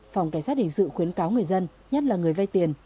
phòng cảnh sát hình sự khuyến cáo người dân nhất là người vay tiền